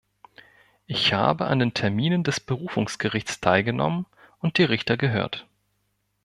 Ich habe an den Terminen des Berufungsgerichts teilgenommen und die Richter gehört.